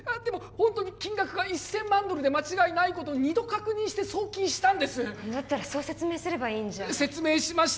本当に金額が１千万ドルで間違いないことを二度確認して送金したんですだったらそう説明すればいいんじゃ説明しました